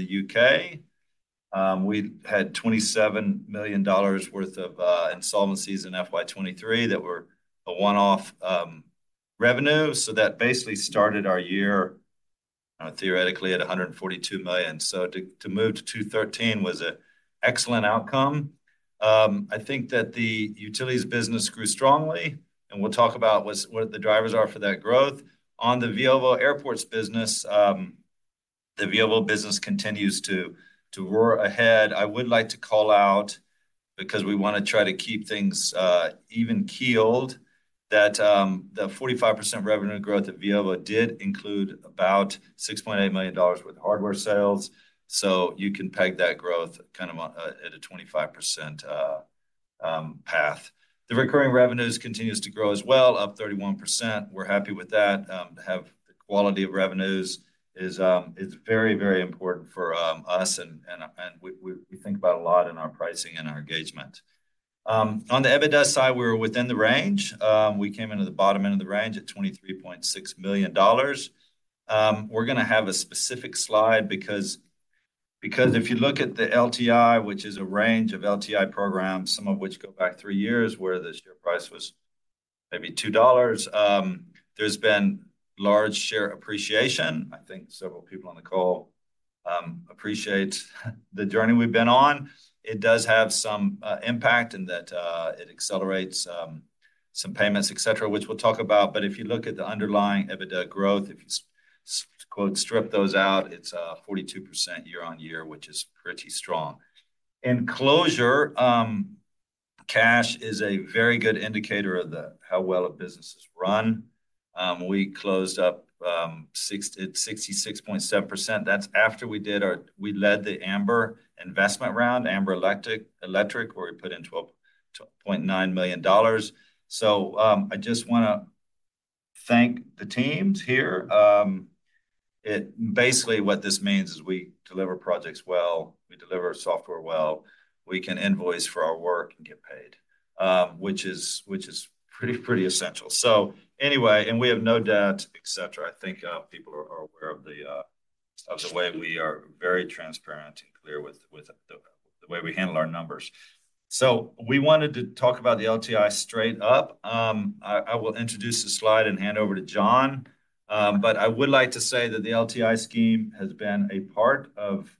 In the UK, we had 27 million dollars worth of insolvencies in FY 2023 that were a one-off revenue. So that basically started our year, theoretically, at 142 million. So to move to 213 million was an excellent outcome. I think that the utilities business grew strongly, and we'll talk about what the drivers are for that growth. On the Veovo Airports business, the Veovo business continues to roar ahead. I would like to call out, because we want to try to keep things even-keeled, that the 45% revenue growth at Veovo did include about 6.8 million dollars worth of hardware sales. So you can peg that growth kind of at a 25% path. The recurring revenues continue to grow as well, up 31%. We're happy with that. The quality of revenues is very, very important for us, and we think about a lot in our pricing and our engagement. On the EBITDA side, we were within the range. We came into the bottom end of the range at 23.6 million dollars. We're going to have a specific slide because if you look at the LTI, which is a range of LTI programs, some of which go back three years, where the share price was maybe 2 dollars, there's been large share appreciation. I think several people on the call appreciate the journey we've been on. It does have some impact in that it accelerates some payments, etc., which we'll talk about. But if you look at the underlying EBITDA growth, if you strip those out, it's 42% year-on-year, which is pretty strong. In closing, cash is a very good indicator of how well a business is run. We closed up at 66.7%. That's after we led the Amber investment round, Amber Electric, where we put in 12.9 million dollars. I just want to thank the teams here. Basically, what this means is we deliver projects well, we deliver software well, we can invoice for our work and get paid, which is pretty essential. Anyway, and we have no doubt, etc. I think people are aware of the way we are very transparent and clear with the way we handle our numbers. We wanted to talk about the LTI straight up. I will introduce the slide and hand over to John. I would like to say that the LTI scheme has been a part of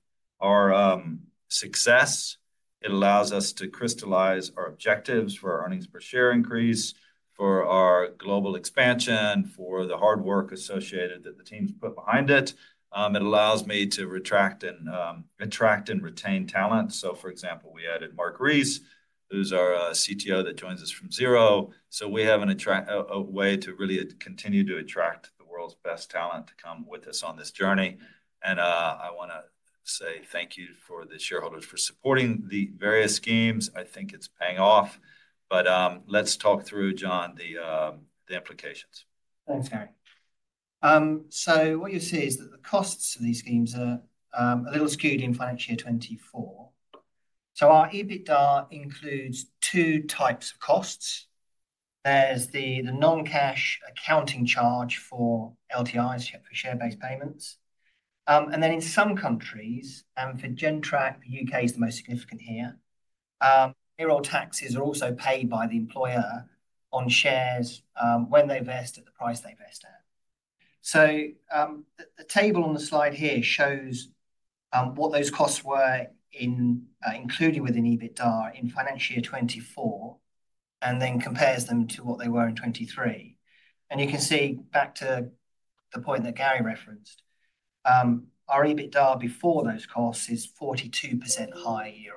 our success. It allows us to crystallize our objectives for our earnings per share increase, for our global expansion, for the hard work associated that the teams put behind it. It allows me to attract and retain talent. So for example, we added Mark Rees, who's our CTO that joins us from Xero. So we have a way to really continue to attract the world's best talent to come with us on this journey. And I want to say thank you to the shareholders for supporting the various schemes. I think it's paying off. But let's talk through, John, the implications. Thanks, Gary. So what you see is that the costs of these schemes are a little skewed in financial year 2024. So our EBITDA includes two types of costs. There's the non-cash accounting charge for LTIs, for share-based payments. And then in some countries, and for Gentrack, the UK is the most significant here, payroll taxes are also paid by the employer on shares when they vest at the price they vest at. So the table on the slide here shows what those costs were, including within EBITDA, in financial year 2024, and then compares them to what they were in 2023. And you can see back to the point that Gary referenced, our EBITDA before those costs is 42% higher here.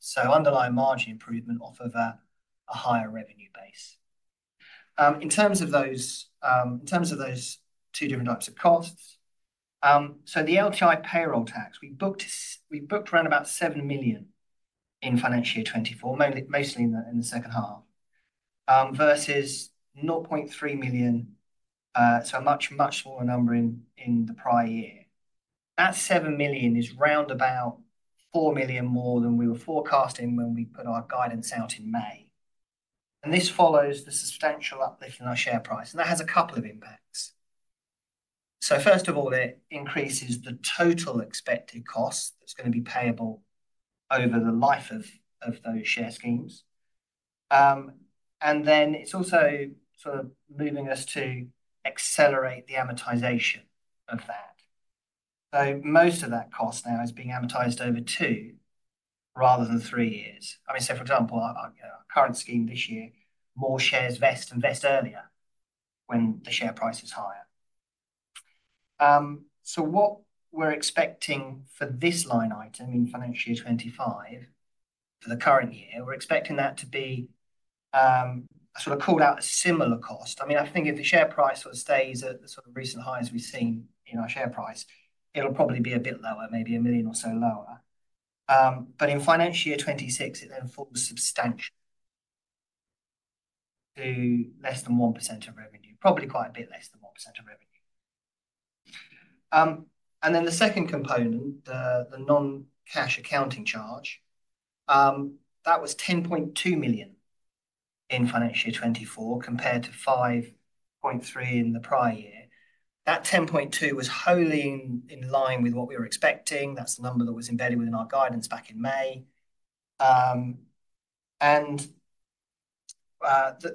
So underlying margin improvement off of a higher revenue base. In terms of those two different types of costs, so the LTI payroll tax, we booked around about 7 million in financial year 2024, mostly in the second half, versus 0.3 million, so a much, much smaller number in the prior year. That 7 million is round about 4 million more than we were forecasting when we put our guidance out in May. And this follows the substantial uplift in our share price. And that has a couple of impacts. So first of all, it increases the total expected cost that's going to be payable over the life of those share schemes. And then it's also sort of moving us to accelerate the amortization of that. So most of that cost now is being amortized over two rather than three years. I mean, say, for example, our current scheme this year, more shares vest and vest earlier when the share price is higher. So what we're expecting for this line item in financial year 2025, for the current year, we're expecting that to be sort of called out a similar cost. I mean, I think if the share price sort of stays at the sort of recent highs we've seen in our share price, it'll probably be a bit lower, maybe a million or so lower. But in financial year 2026, it then falls substantially to less than 1% of revenue, probably quite a bit less than 1% of revenue. And then the second component, the non-cash accounting charge, that was $10.2 million in financial year 2024 compared to $5.3 million in the prior year. That $10.2 million was wholly in line with what we were expecting. That's the number that was embedded within our guidance back in May. The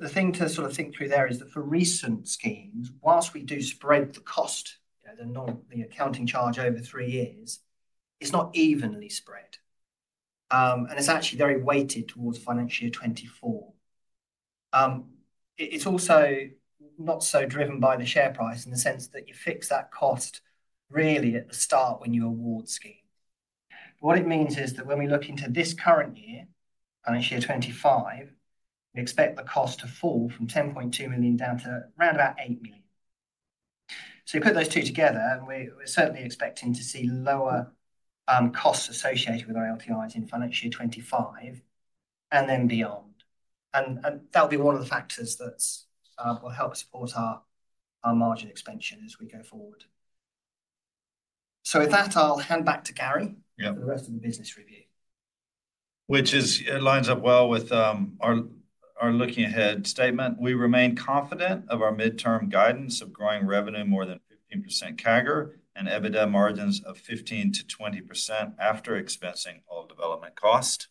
thing to sort of think through there is that for recent schemes, while we do spread the cost, the accounting charge over three years, it's not evenly spread. And it's actually very weighted towards financial year 2024. It's also not so driven by the share price in the sense that you fix that cost really at the start when you award schemes. What it means is that when we look into this current year, financial year 2025, we expect the cost to fall from $10.2 million down to around about $8 million. So you put those two together, and we're certainly expecting to see lower costs associated with our LTIs in financial year 2025 and then beyond. And that'll be one of the factors that will help support our margin expansion as we go forward. So with that, I'll hand back to Gary for the rest of the business review. Which lines up well with our looking ahead statement. We remain confident of our midterm guidance of growing revenue more than 15% CAGR and EBITDA margins of 15%-20% after expensing all development cost.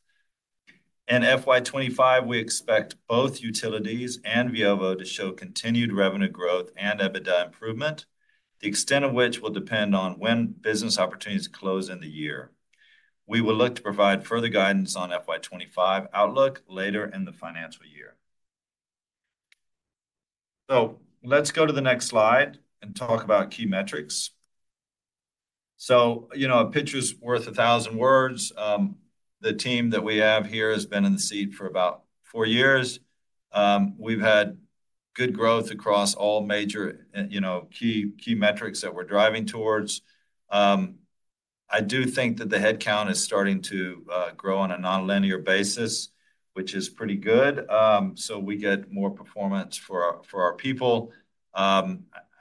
In FY 2025, we expect both utilities and Veovo to show continued revenue growth and EBITDA improvement, the extent of which will depend on when business opportunities close in the year. We will look to provide further guidance on FY 2025 outlook later in the financial year. So let's go to the next slide and talk about key metrics. So a picture's worth a thousand words. The team that we have here has been in the seat for about four years. We've had good growth across all major key metrics that we're driving towards. I do think that the headcount is starting to grow on a non-linear basis, which is pretty good. So we get more performance for our people.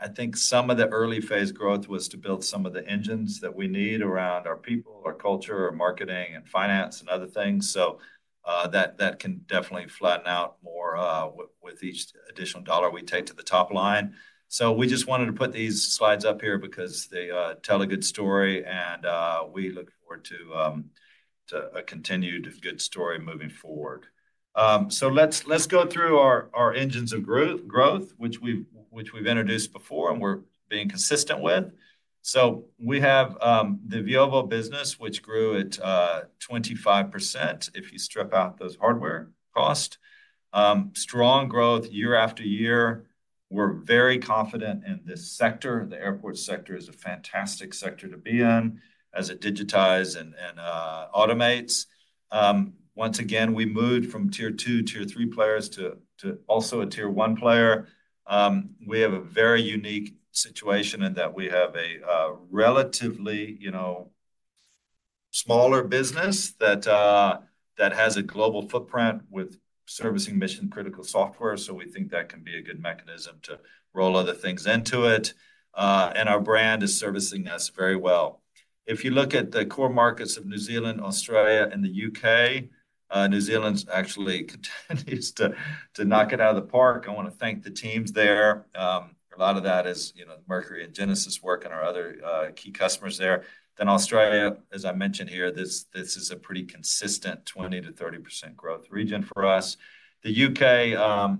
I think some of the early phase growth was to build some of the engines that we need around our people, our culture, our marketing, and finance, and other things. So that can definitely flatten out more with each additional dollar we take to the top line. So we just wanted to put these slides up here because they tell a good story, and we look forward to a continued good story moving forward. So let's go through our engines of growth, which we've introduced before and we're being consistent with. So we have the Veovo business, which grew at 25% if you strip out those hardware costs. Strong growth year after year. We're very confident in this sector. The airport sector is a fantastic sector to be in as it digitizes and automates. Once again, we moved from tier two, tier three players to also a tier one player. We have a very unique situation in that we have a relatively smaller business that has a global footprint with servicing mission-critical software. So we think that can be a good mechanism to roll other things into it. And our brand is servicing us very well. If you look at the core markets of New Zealand, Australia, and the UK, New Zealand's actually continues to knock it out of the park. I want to thank the teams there. A lot of that is Mercury and Genesis work and our other key customers there. Then Australia, as I mentioned here, this is a pretty consistent 20%-30% growth region for us. The UK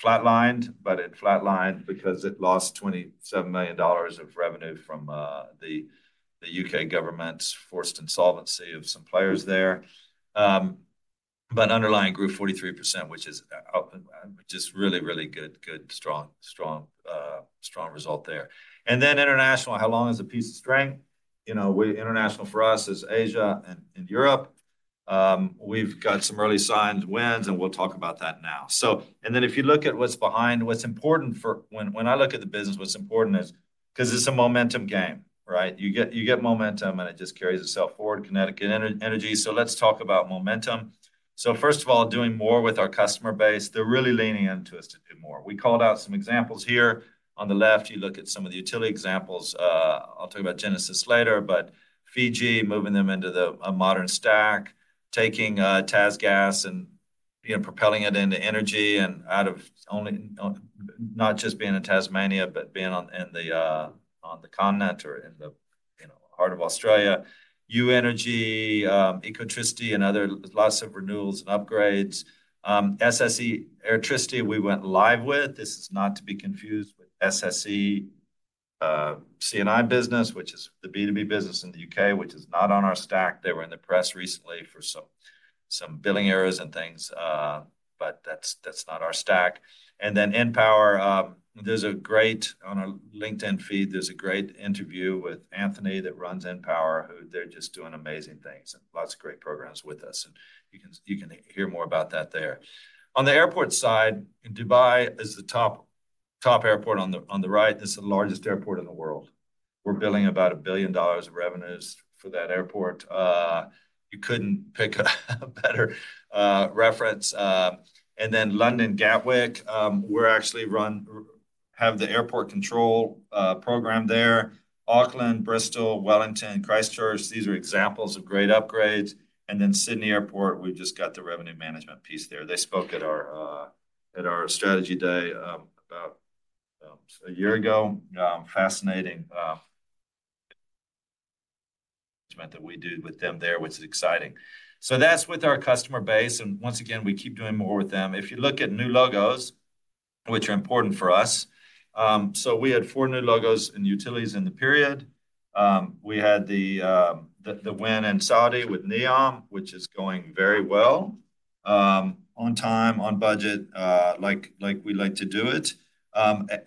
flatlined, but it flatlined because it lost 27 million dollars of revenue from the UK government's forced insolvency of some players there. But underlying grew 43%, which is just really, really good, strong result there. And then international, how long is a piece of string? International for us is Asia and Europe. We've got some early signs, wins, and we'll talk about that now. And then if you look at what's behind, what's important for when I look at the business, what's important is because it's a momentum game, right? You get momentum, and it just carries itself forward, kinetic energy. So let's talk about momentum. So first of all, doing more with our customer base, they're really leaning into us to do more. We called out some examples here. On the left, you look at some of the utility examples. I'll talk about Genesis later, but Fiji moving them into a modern stack, taking Tas Gas and propelling it into energy and out of not just being in Tasmania, but being on the continent or in the heart of Australia. Yü Energy, Ecotricity, and others, lots of renewals and upgrades. SSE Airtricity, we went live with. This is not to be confused with SSE C&I business, which is the B2B business in the UK, which is not on our stack. They were in the press recently for some billing errors and things, but that's not our stack. And then Npower, there's a great on our LinkedIn feed, there's a great interview with Anthony that runs Npower, who they're just doing amazing things and lots of great programs with us. And you can hear more about that there. On the airport side, Dubai is the top airport on the right. It's the largest airport in the world. We're billing about $1 billion of revenues for that airport. You couldn't pick a better reference, and then London Gatwick, we actually have the airport control program there. Auckland, Bristol, Wellington, Christchurch, these are examples of great upgrades, and then Sydney Airport, we just got the revenue management piece there. They spoke at our strategy day about a year ago. Fascinating that we do with them there, which is exciting, so that's with our customer base, and once again, we keep doing more with them. If you look at new logos, which are important for us, so we had four new logos in utilities in the period. We had the win in Saudi with NEOM, which is going very well on time, on budget, like we like to do it.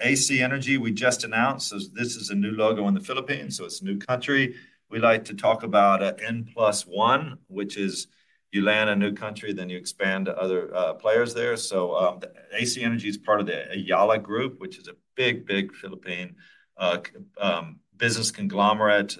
AC Energy, we just announced this is a new logo in the Philippines, so it's a new country. We like to talk about N+1, which is you land a new country, then you expand to other players there. So AC Energy is part of the Ayala Group, which is a big, big Philippine business conglomerate,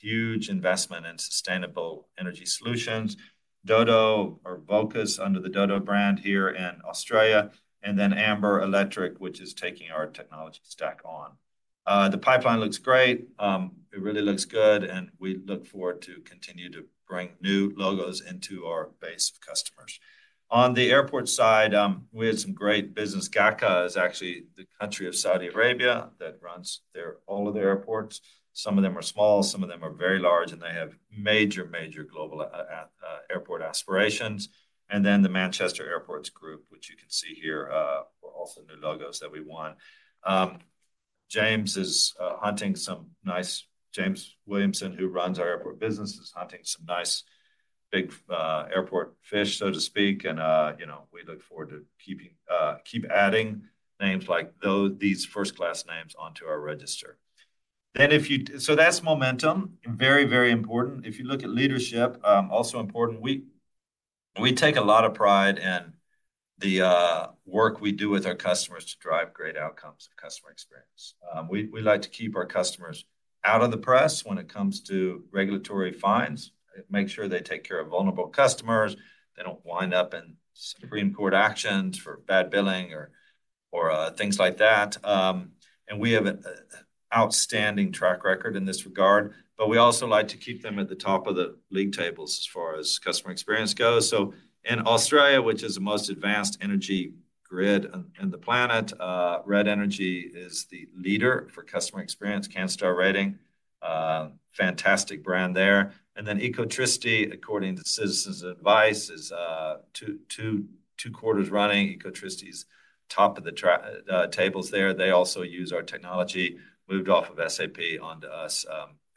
huge investment in sustainable energy solutions. Dodo, our focus under the Dodo brand here in Australia. And then Amber Electric, which is taking our technology stack on. The pipeline looks great. It really looks good. And we look forward to continue to bring new logos into our base of customers. On the airport side, we had some great business. GACA is actually the country of Saudi Arabia that runs all of the airports. Some of them are small. Some of them are very large, and they have major, major global airport aspirations. Then the Manchester Airports Group, which you can see here, also new logos that we want. James Williamson, who runs our airport business, is hunting some nice big airport fish, so to speak, and we look forward to keep adding names like these first-class names onto our register. That's momentum, very, very important. If you look at leadership, also important, we take a lot of pride in the work we do with our customers to drive great outcomes of customer experience. We like to keep our customers out of the press when it comes to regulatory fines, make sure they take care of vulnerable customers, they don't wind up in Supreme Court actions for bad billing or things like that, and we have an outstanding track record in this regard. But we also like to keep them at the top of the league tables as far as customer experience goes. So in Australia, which is the most advanced energy grid on the planet, Red Energy is the leader for customer experience, Canstar rating, fantastic brand there. And then Ecotricity, according to Citizens Advice, is two quarters running. Ecotricity is top of the league tables there. They also use our technology, moved off of SAP onto us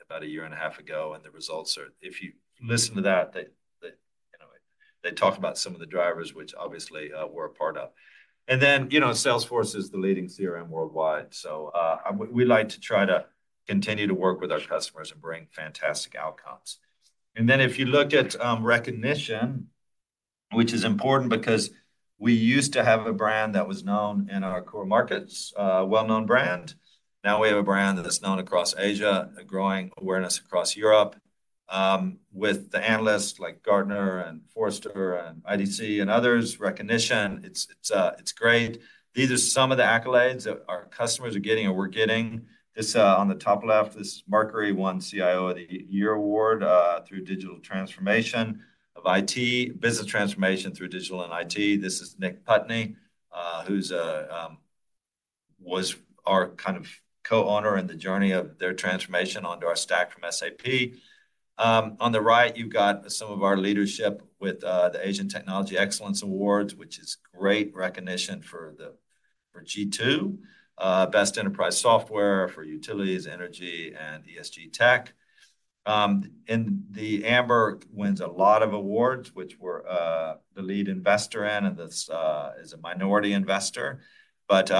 about a year and a half ago. And the results are, if you listen to that, they talk about some of the drivers, which obviously we're a part of. And then Salesforce is the leading CRM worldwide. So we like to try to continue to work with our customers and bring fantastic outcomes. And then if you look at recognition, which is important because we used to have a brand that was known in our core markets, a well-known brand. Now we have a brand that's known across Asia, growing awareness across Europe with the analysts like Gartner and Forrester and IDC and others. Recognition, it's great. These are some of the accolades that our customers are getting or we're getting. This on the top left, this is Mercury, one CIO of the Year Award through digital transformation of IT, business transformation through digital and IT. This is Nick Pudney, who was our kind of co-owner in the journey of their transformation onto our stack from SAP. On the right, you've got some of our leadership with the Asian Technology Excellence Awards, which is great recognition for G2, best enterprise software for utilities, energy, and ESG tech. And the Amber wins a lot of awards, which we're the lead investor in, and this is a minority investor. But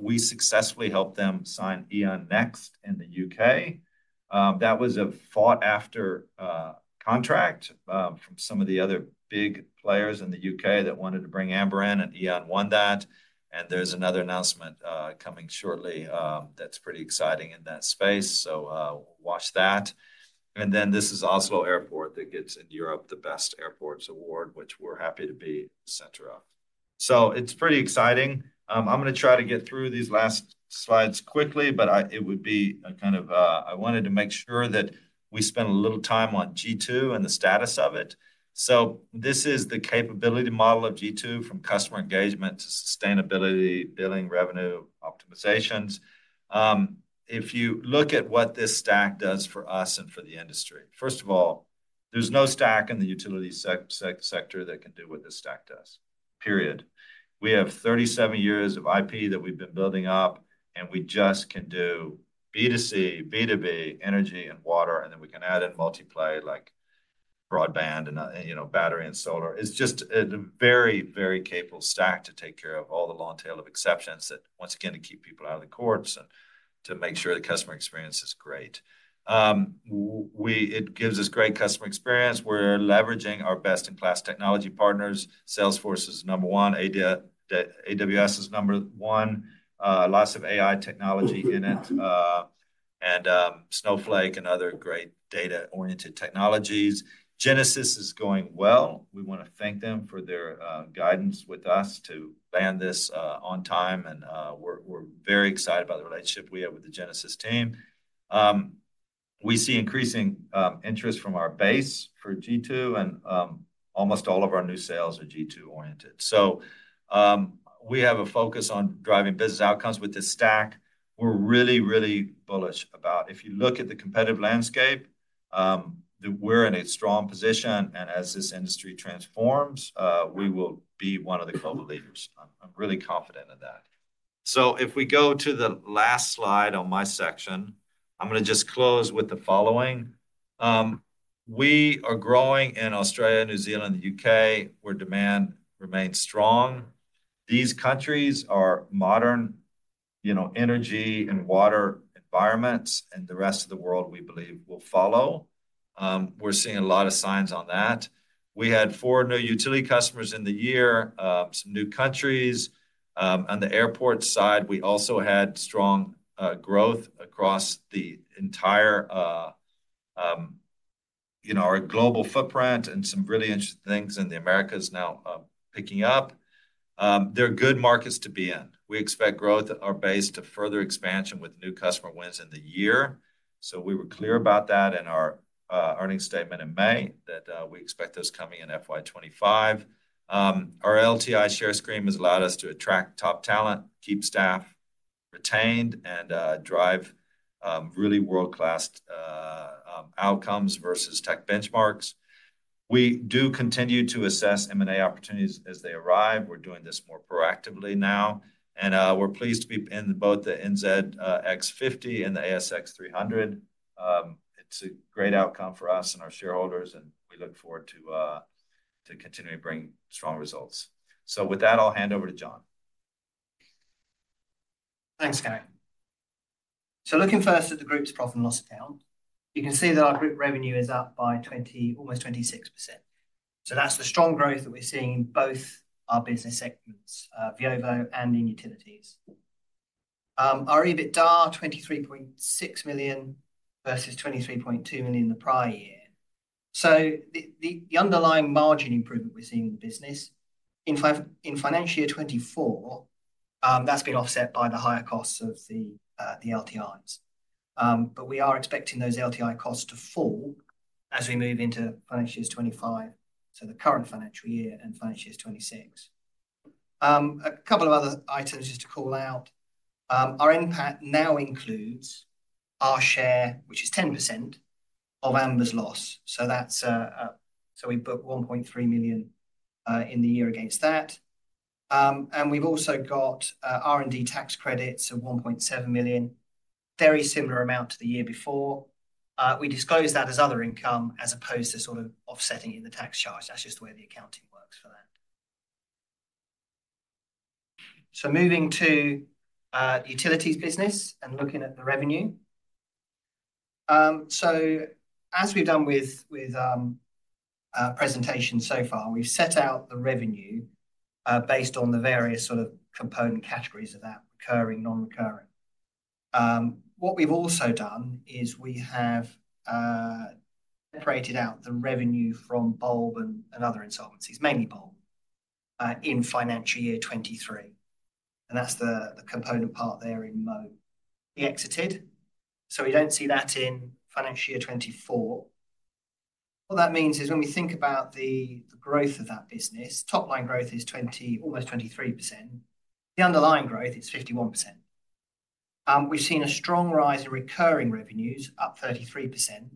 we successfully helped them sign E.ON Next in the UK. That was a sought-after contract from some of the other big players in the UK that wanted to bring Amber in, and E.ON won that. And there's another announcement coming shortly that's pretty exciting in that space. So watch that. And then this is Oslo Airport that gets, in Europe, the best airports award, which we're happy to be the center of. So it's pretty exciting. I'm going to try to get through these last slides quickly, but it would be a kind of I wanted to make sure that we spend a little time on G2 and the status of it. So this is the capability model of G2 from customer engagement to sustainability, billing, revenue, optimizations. If you look at what this stack does for us and for the industry, first of all, there's no stack in the utility sector that can do what this stack does, period. We have 37 years of IP that we've been building up, and we just can do B2C, B2B, energy, and water, and then we can add in multiplay like broadband and battery and solar. It's just a very, very capable stack to take care of all the long tail of exceptions that, once again, to keep people out of the courts and to make sure the customer experience is great. It gives us great customer experience. We're leveraging our best-in-class technology partners. Salesforce is number one. AWS is number one. Lots of AI technology in it and Snowflake and other great data-oriented technologies. Genesis is going well. We want to thank them for their guidance with us to land this on time, and we're very excited about the relationship we have with the Genesis team. We see increasing interest from our base for G2, and almost all of our new sales are G2-oriented. We have a focus on driving business outcomes with this stack. We're really, really bullish about if you look at the competitive landscape; we're in a strong position. As this industry transforms, we will be one of the global leaders. I'm really confident in that. If we go to the last slide on my section, I'm going to just close with the following. We are growing in Australia, New Zealand, and the UK where demand remains strong. These countries are modern energy and water environments, and the rest of the world, we believe, will follow. We're seeing a lot of signs on that. We had four new utility customers in the year, some new countries. On the airport side, we also had strong growth across our entire global footprint and some really interesting things, and America is now picking up. They're good markets to be in. We expect growth at our base to further expansion with new customer wins in the year, so we were clear about that in our earnings statement in May that we expect those coming in FY 2025. Our LTI share scheme has allowed us to attract top talent, keep staff retained, and drive really world-class outcomes versus tech benchmarks. We do continue to assess M&A opportunities as they arrive. We're doing this more proactively now, and we're pleased to be in both the NZX50 and the ASX300. It's a great outcome for us and our shareholders, and we look forward to continuing to bring strong results. So with that, I'll hand over to John. Thanks, Gary Miles. So looking first at the group's profit and loss account, you can see that our group revenue is up by almost 26%. So that's the strong growth that we're seeing in both our business segments, Veovo and in utilities. Our EBITDA, 23.6 million versus 23.2 million the prior year. So the underlying margin improvement we're seeing in the business in financial year 2024, that's been offset by the higher costs of the LTIs. But we are expecting those LTI costs to fall as we move into financial year 2025, so the current financial year and financial year 2026. A couple of other items just to call out. Our impact now includes our share, which is 10% of Amber's loss. We booked 1.3 million in the year against that. We've also got R&D tax credits of 1.7 million, very similar amount to the year before. We disclose that as other income as opposed to sort of offsetting it in the tax charge. That's just the way the accounting works for that. Moving to utilities business and looking at the revenue. As we've done with presentations so far, we've set out the revenue based on the various sort of component categories of that, recurring, non-recurring. What we've also done is we have separated out the revenue from Bulb and other insolvencies, mainly Bulb, in financial year 23. That's the component part there in magenta. We exited. We don't see that in financial year 24. What that means is when we think about the growth of that business, top-line growth is almost 23%. The underlying growth is 51%. We've seen a strong rise in recurring revenues, up 33%,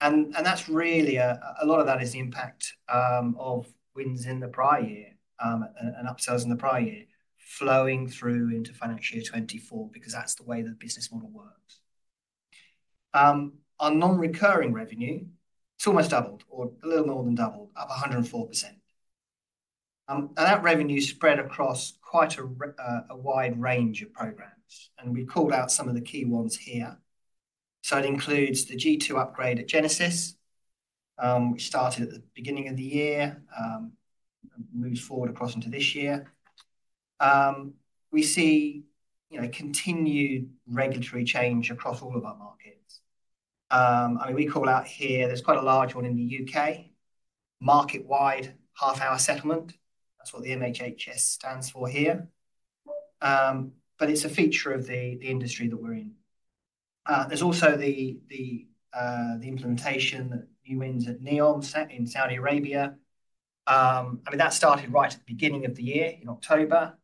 and that's really a lot of that is the impact of wins in the prior year and upsells in the prior year flowing through into financial year 24 because that's the way the business model works. Our non-recurring revenue, it's almost doubled or a little more than doubled, up 104%, and that revenue spread across quite a wide range of programs, and we've called out some of the key ones here, so it includes the G2 upgrade at Genesis, which started at the beginning of the year and moved forward across into this year. We see continued regulatory change across all of our markets. I mean, we call out here, there's quite a large one in the UK, Market-wide Half-Hourly Settlement. That's what the MHHS stands for here. But it's a feature of the industry that we're in. There's also the implementation of new wins at NEOM in Saudi Arabia. I mean, that started right at the beginning of the year in October.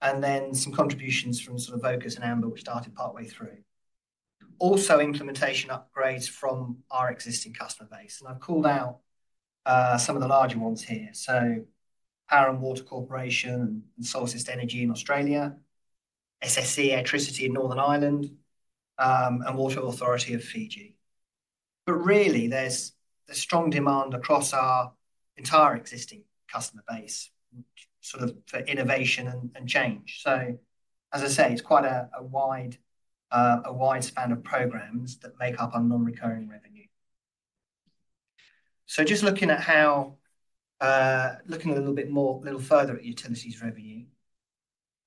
And then some contributions from sort of Vocus and Amber, which started partway through. Also implementation upgrades from our existing customer base. And I've called out some of the larger ones here. So Power and Water Corporation and Solstice Energy in Australia, SSE Airtricity in Northern Ireland, and Water Authority of Fiji. But really, there's strong demand across our entire existing customer base sort of for innovation and change. So as I say, it's quite a wide span of programs that make up our non-recurring revenue. So just looking at how, looking a little bit more, a little further at utilities revenue,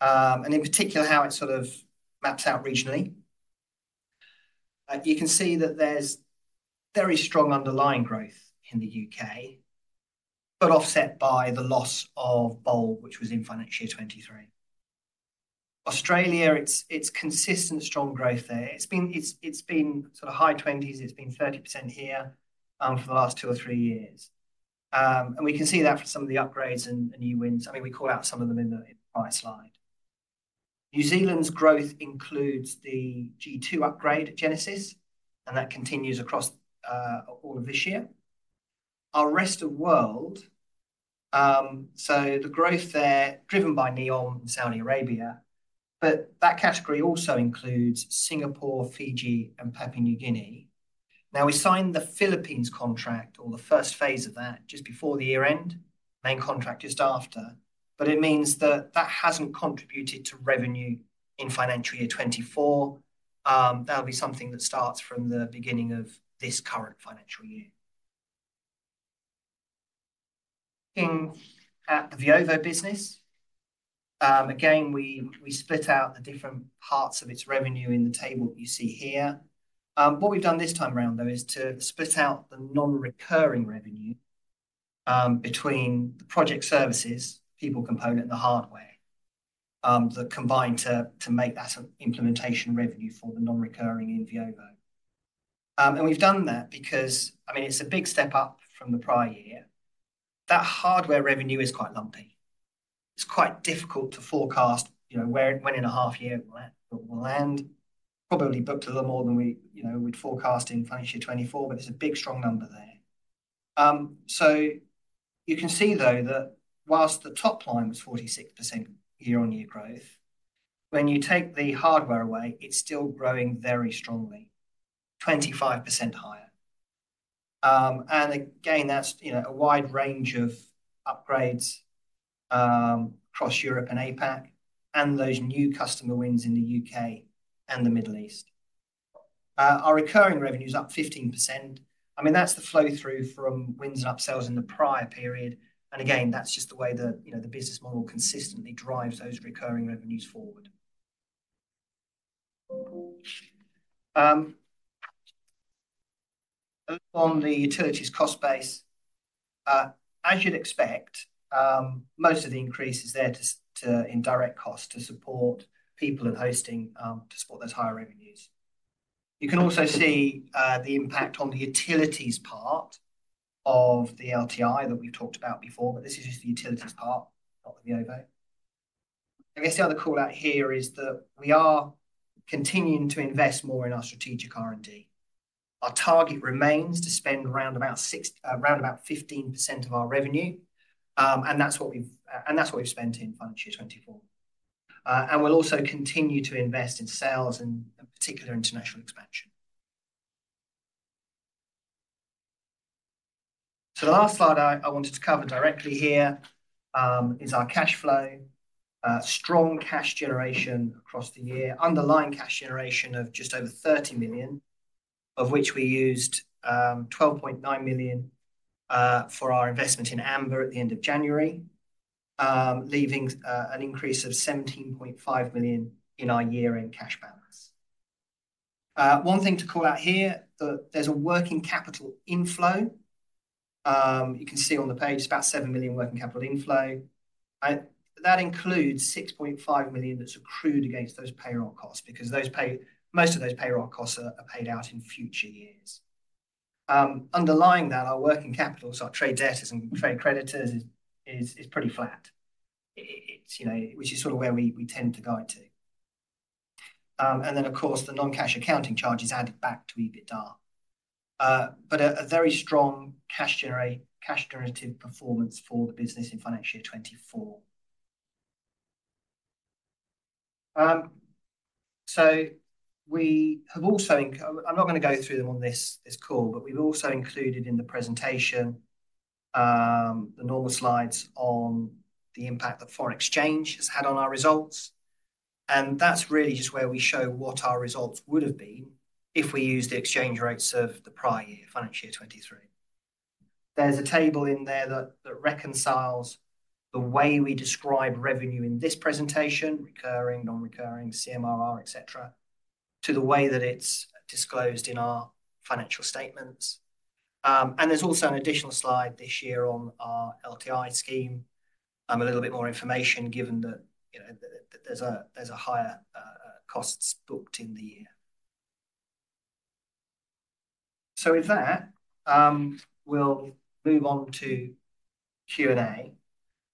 and in particular how it sort of maps out regionally, you can see that there's very strong underlying growth in the UK, but offset by the loss of Bulb, which was in financial year 2023. Australia, it's consistent strong growth there. It's been sort of high 20s. It's been 30% here for the last two or three years. And we can see that for some of the upgrades and new wins. I mean, we call out some of them in the prior slide. New Zealand's growth includes the G2 upgrade at Genesis, and that continues across all of this year. Our rest of the world, so the growth there, driven by NEOM and Saudi Arabia, but that category also includes Singapore, Fiji, and Papua New Guinea. Now, we signed the Philippines contract or the first phase of that just before the year-end, main contract just after. But it means that that hasn't contributed to revenue in financial year 24. That'll be something that starts from the beginning of this current financial year. Looking at the Veovo business, again, we split out the different parts of its revenue in the table you see here. What we've done this time around, though, is to split out the non-recurring revenue between the project services, people component, and the hardware that combine to make that implementation revenue for the non-recurring in Veovo. And we've done that because, I mean, it's a big step up from the prior year. That hardware revenue is quite lumpy. It's quite difficult to forecast when in a half year we'll land, probably booked a little more than we'd forecast in financial year 2024, but it's a big strong number there. So you can see, though, that whilst the top line was 46% year-on-year growth, when you take the hardware away, it's still growing very strongly, 25% higher. And again, that's a wide range of upgrades across Europe and APAC and those new customer wins in the UK and the Middle East. Our recurring revenue is up 15%. I mean, that's the flow-through from wins and upsells in the prior period. And again, that's just the way the business model consistently drives those recurring revenues forward. On the utilities cost base, as you'd expect, most of the increase is there in direct costs to support people and hosting to support those higher revenues. You can also see the impact on the utilities part of the LTI that we've talked about before, but this is just the utilities part, not the Veovo. I guess the other callout here is that we are continuing to invest more in our strategic R&D. Our target remains to spend around about 15% of our revenue, and that's what we've spent in financial year 2024. And we'll also continue to invest in sales and particular international expansion. So the last slide I wanted to cover directly here is our cash flow, strong cash generation across the year, underlying cash generation of just over 30 million, of which we used 12.9 million for our investment in Amber at the end of January, leaving an increase of 17.5 million in our year-end cash balance. One thing to call out here, there's a working capital inflow. You can see on the page, it's about 7 million working capital inflow. That includes 6.5 million that's accrued against those payroll costs because most of those payroll costs are paid out in future years. Underlying that, our working capitals, our trade debtors and trade creditors is pretty flat, which is sort of where we tend to guide to, and then, of course, the non-cash accounting charges added back to EBITDA but a very strong cash-generative performance for the business in financial year 2024, so we have also, I'm not going to go through them on this call, but we've also included in the presentation the normal slides on the impact that foreign exchange has had on our results, and that's really just where we show what our results would have been if we used the exchange rates of the prior year, financial year 2023. There's a table in there that reconciles the way we describe revenue in this presentation, recurring, non-recurring, CMRR, etc., to the way that it's disclosed in our financial statements. And there's also an additional slide this year on our LTI scheme, a little bit more information given that there's a higher cost booked in the year. So with that, we'll move on to Q&A.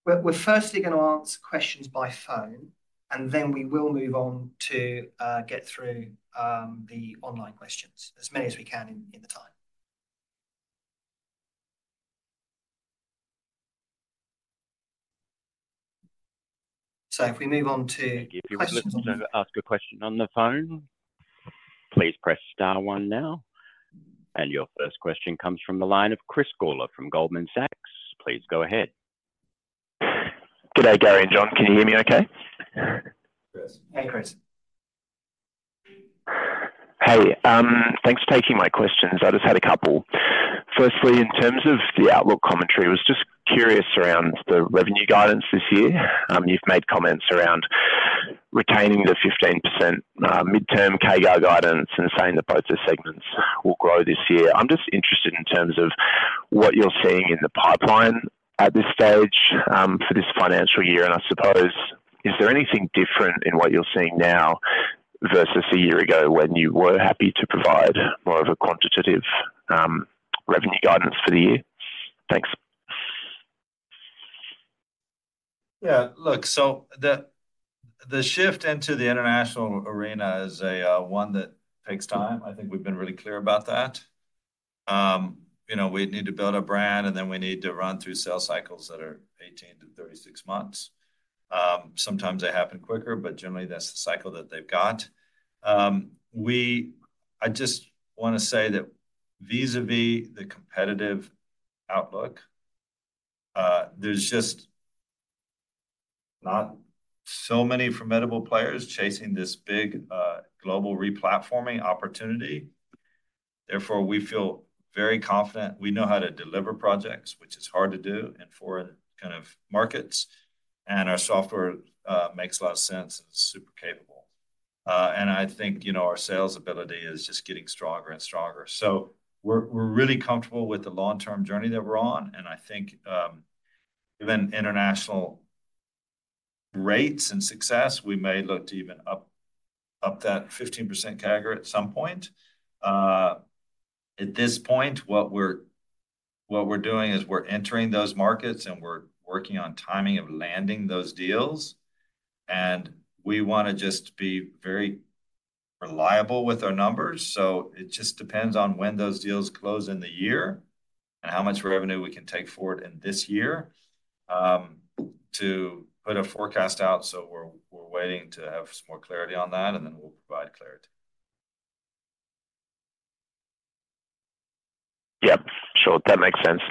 We're firstly going to answer questions by phone, and then we will move on to get through the online questions as many as we can in the time. So if we move on to questions. Thank you for your questions. Ask a question on the phone. Please press star one now. And your first question comes from the line of Chris Gula from Goldman Sachs. Please go ahead. Good day, Gary and John. Can you hear me okay? Hey, Chris. Hey. Thanks for taking my questions. I just had a couple. Firstly, in terms of the outlook commentary, I was just curious around the revenue guidance this year. You've made comments around retaining the 15% midterm CAGR guidance and saying that both those segments will grow this year. I'm just interested in terms of what you're seeing in the pipeline at this stage for this financial year. And I suppose, is there anything different in what you're seeing now versus a year ago when you were happy to provide more of a quantitative revenue guidance for the year? Thanks. Yeah. Look, so the shift into the international arena is one that takes time. I think we've been really clear about that. We need to build our brand, and then we need to run through sales cycles that are 18-36 months. Sometimes they happen quicker, but generally, that's the cycle that they've got. I just want to say that vis-à-vis the competitive outlook, there's just not so many formidable players chasing this big global replatforming opportunity. Therefore, we feel very confident. We know how to deliver projects, which is hard to do in foreign kind of markets. And our software makes a lot of sense and is super capable. And I think our sales ability is just getting stronger and stronger. So we're really comfortable with the long-term journey that we're on. And I think given international rates and success, we may look to even up that 15% CAGR at some point. At this point, what we're doing is we're entering those markets, and we're working on timing of landing those deals. And we want to just be very reliable with our numbers. So it just depends on when those deals close in the year and how much revenue we can take forward in this year to put a forecast out. So we're waiting to have some more clarity on that, and then we'll provide clarity. Yep. Sure. That makes sense.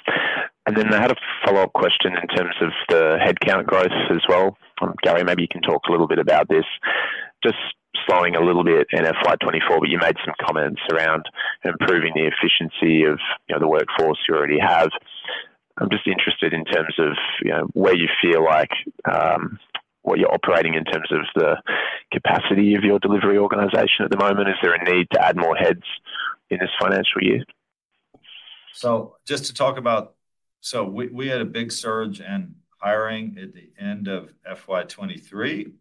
And then I had a follow-up question in terms of the headcount growth as well. Gary, maybe you can talk a little bit about this. Just slowing a little bit in FY 2024, but you made some comments around improving the efficiency of the workforce you already have. I'm just interested in terms of where you feel like what you're operating in terms of the capacity of your delivery organization at the moment. Is there a need to add more heads in this financial year? So just to talk about, so we had a big surge in hiring at the end of FY 2023.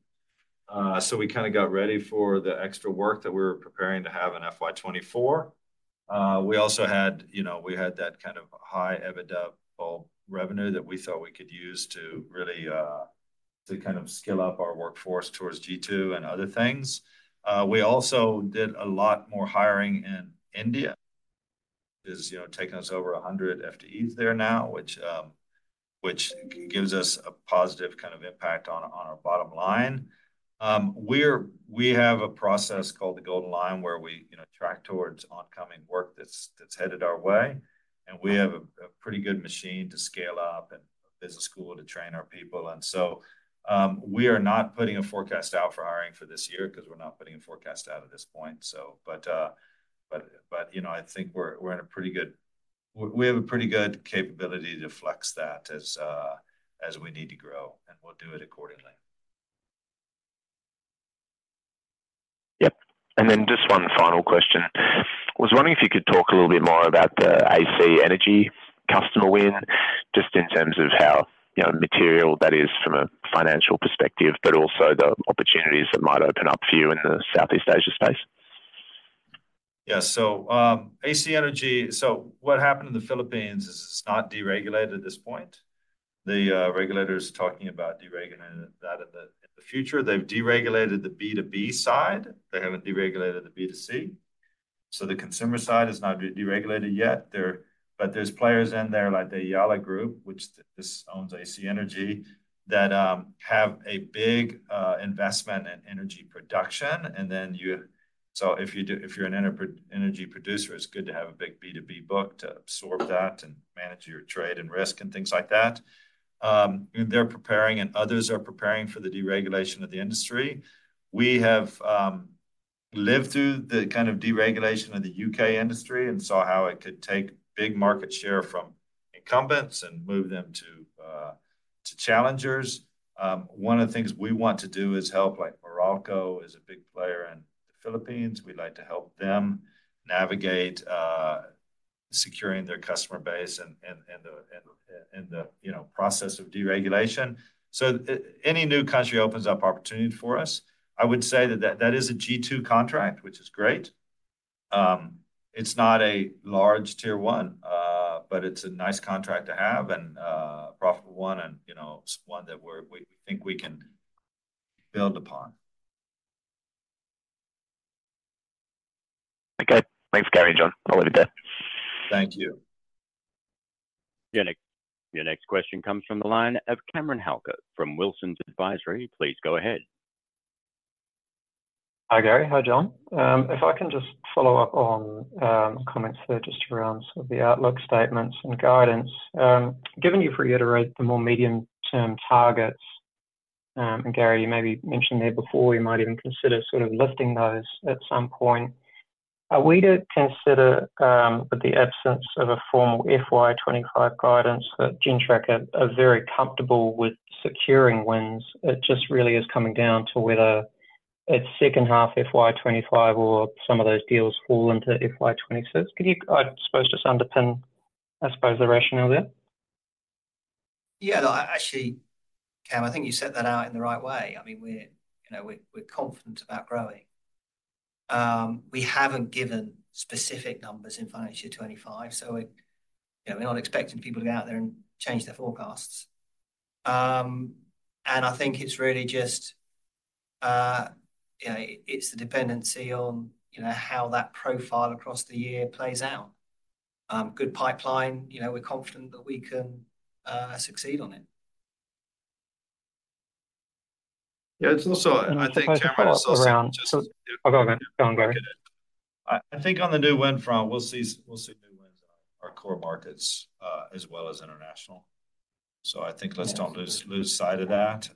So we kind of got ready for the extra work that we were preparing to have in FY 2024. We also had that kind of high EBITDA bulk revenue that we thought we could use to really kind of skill up our workforce towards G2 and other things. We also did a lot more hiring in India. It's taken us over 100 FTEs there now, which gives us a positive kind of impact on our bottom line. We have a process called the Golden Line where we track towards oncoming work that's headed our way. And we have a pretty good machine to scale up and a business school to train our people. And so we are not putting a forecast out for hiring for this year because we're not putting a forecast out at this point, so. But I think we're in a pretty good - we have a pretty good capability to flex that as we need to grow, and we'll do it accordingly. Yep. And then just one final question. I was wondering if you could talk a little bit more about the AC Energy customer win just in terms of how material that is from a financial perspective, but also the opportunities that might open up for you in the Southeast Asia space. Yeah. So AC Energy, so what happened in the Philippines is it's not deregulated at this point. The regulator is talking about deregulating that in the future. They've deregulated the B2B side. They haven't deregulated the B2C. So the consumer side is not deregulated yet. But there's players in there like the Ayala Group, which owns AC Energy, that have a big investment in energy production. And then you, so if you're an energy producer, it's good to have a big B2B book to absorb that and manage your trade and risk and things like that. They're preparing, and others are preparing for the deregulation of the industry. We have lived through the kind of deregulation of the UK industry and saw how it could take big market share from incumbents and move them to challengers. One of the things we want to do is help, like ACEN is a big player in the Philippines. We'd like to help them navigate securing their customer base and the process of deregulation. So any new country opens up opportunities for us. I would say that that is a G2 contract, which is great. It's not a large tier one, but it's a nice contract to have and profitable one and one that we think we can build upon. Okay. Thanks, Gary, John. I'll leave it there. Thank you. Your next question comes from the line of Cameron Halkett from Wilsons Advisory. Please go ahead. Hi, Gary. Hi, John. If I can just follow up on comments there just around some of the outlook statements and guidance. Given you've reiterated the more medium-term targets, and Gary, you maybe mentioned there before, we might even consider sort of lifting those at some point. Are we to consider the absence of a formal FY 2025 guidance that Gentrack are very comfortable with securing wins? It just really is coming down to whether it's second half FY 2025 or some of those deals fall into FY 2026. I suppose just underpin, I suppose, the rationale there. Yeah. No, actually, Cam, I think you set that out in the right way. I mean, we're confident about growing. We haven't given specific numbers in financial year 2025, so we're not expecting people to go out there and change their forecasts. And I think it's really just, it's the dependency on how that profile across the year plays out. Good pipeline. We're confident that we can succeed on it. Yeah. And I think Cameron is also. I'll go again. Go on, Gary. I think on the new win front, we'll see new wins in our core markets as well as international. So I think let's don't lose sight of that.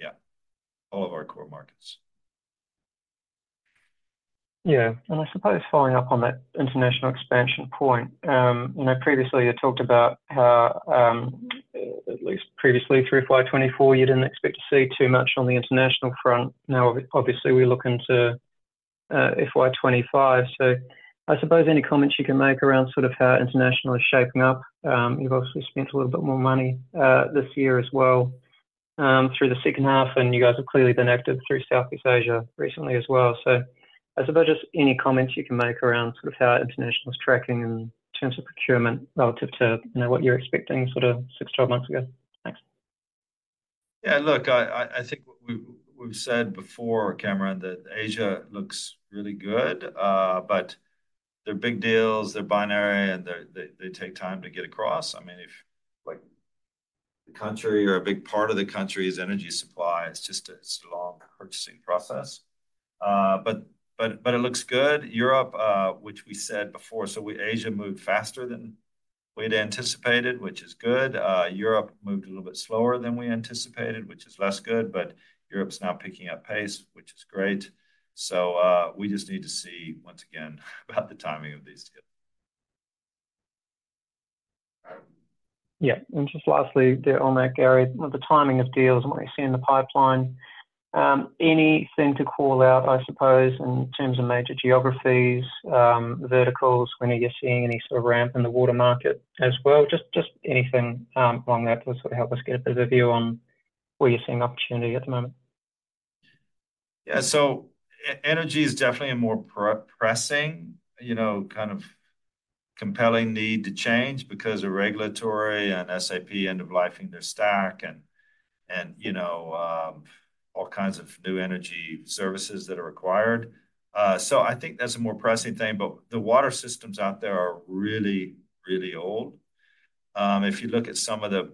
Yeah. All of our core markets. Yeah. And I suppose following up on that international expansion point, previously, you talked about how, at least previously, through FY 2024, you didn't expect to see too much on the international front. Now, obviously, we're looking to FY 2025. So I suppose any comments you can make around sort of how international is shaping up. You've obviously spent a little bit more money this year as well through the second half, and you guys have clearly been active through Southeast Asia recently as well. So I suppose just any comments you can make around sort of how international is tracking in terms of procurement relative to what you're expecting sort of six to twelve months ago. Thanks. Yeah. Look, I think what we've said before, Cameron, that Asia looks really good, but they're big deals. They're binary, and they take time to get across. I mean, if the country or a big part of the country's energy supply, it's just a long purchasing process. But it looks good. Europe, which we said before, so Asia moved faster than we'd anticipated, which is good. Europe moved a little bit slower than we anticipated, which is less good. But Europe's now picking up pace, which is great. So we just need to see, once again, about the timing of these deals. Yeah. And just lastly, the whole map area, the timing of deals and what you see in the pipeline. Anything to call out, I suppose, in terms of major geographies, verticals, when are you seeing any sort of ramp in the water market as well? Just anything along that to sort of help us get a better view on where you're seeing opportunity at the moment. Yeah. So energy is definitely a more pressing kind of compelling need to change because of regulatory and SAP end of life in their stack and all kinds of new energy services that are required. So I think that's a more pressing thing. But the water systems out there are really, really old. If you look at some of the